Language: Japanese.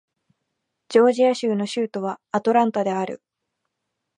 ジョージア州の州都はアトランタである